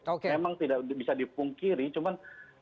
memang tidak bisa dipungkiri cuman